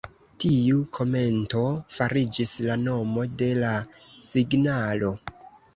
Tiu komento fariĝis la nomo de la signalo.